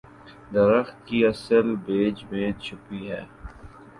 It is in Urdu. درخت کی اصل بیج میں چھپی ہے۔